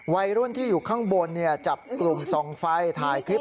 วัยรุ่นที่อยู่ข้างบนจับกลุ่มส่องไฟถ่ายคลิป